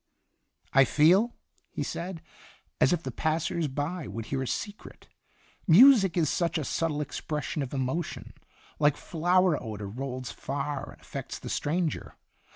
"I feel," he said, ''as if the .passers by would hear a secret. Music is such a subtle expression of emotion like flower odor rolls far and affects the stranger.